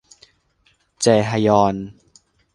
แจฮยอน